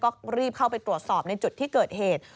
ก็รีบเข้าไปตรวจสอบในจุดที่เกิดเหตุ